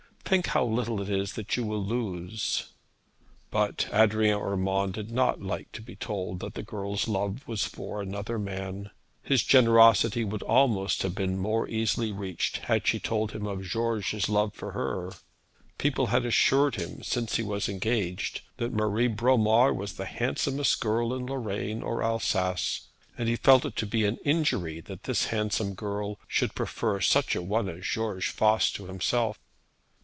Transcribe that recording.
Think how little it is that you will lose.' But Adrian Urmand did not like to be told of the girl's love for another man. His generosity would almost have been more easily reached had she told him of George's love for her. People had assured him since he was engaged that Marie Bromar was the handsomest girl in Lorraine or Alsace; and he felt it to be an injury that this handsome girl should prefer such a one as George Voss to himself.